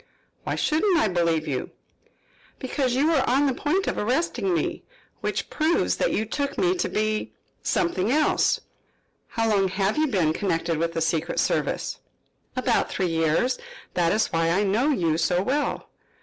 "Why shouldn't I believe you?" "Because you were on the point of arresting me, which proves that you took me to be something else." "How long have you been connected with the secret service?" "About three years. That is why I know you so well."